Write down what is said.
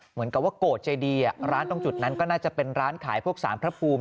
เหมือนกับว่าโกรธเจดีร้านตรงจุดนั้นก็น่าจะเป็นร้านขายพวกสารพระภูมิ